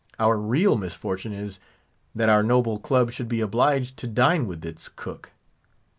Our real misfortune is, that our noble club should be obliged to dine with its cook."